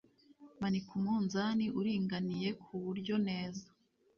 manika umunzani uringaniye ku buryo neza